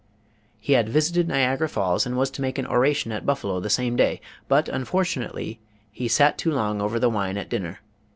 "He had visited Niagara Falls and was to make an oration at Buffalo the same day, but, unfortunately, he sat too long over the wine after dinner.